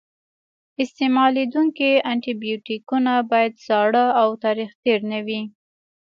استعمالیدونکي انټي بیوټیکونه باید زاړه او تاریخ تېر نه وي.